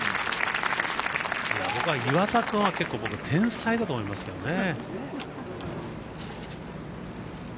僕は岩田君は天才だと思いますけどね。